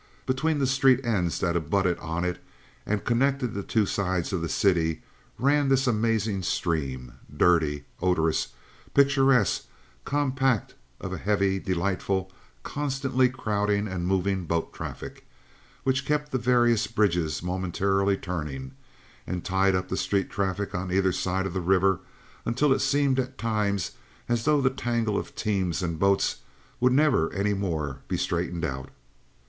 Between the street ends that abutted on it and connected the two sides of the city ran this amazing stream—dirty, odorous, picturesque, compact of a heavy, delightful, constantly crowding and moving boat traffic, which kept the various bridges momentarily turning, and tied up the street traffic on either side of the river until it seemed at times as though the tangle of teams and boats would never any more be straightened out.